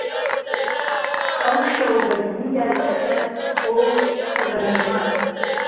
ئهو شهو به دزی دایکهکهت خۆ بکه به میوانم